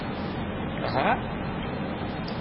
— Га?